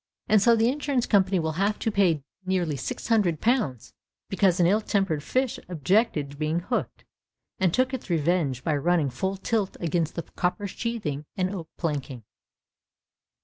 And so the insurance company will have to pay nearly six hundred pounds because an ill tempered fish objected to be hooked, and took its revenge by running full tilt against copper sheathing and oak planking.